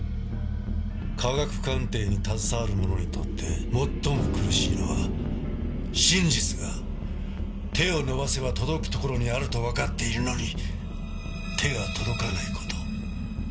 科学鑑定に携わる者にとって最も苦しいのは真実が手を伸ばせば届くところにあるとわかっているのに手が届かない事。